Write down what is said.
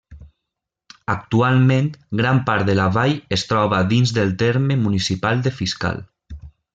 Actualment gran part de la vall es troba dins del terme municipal de Fiscal.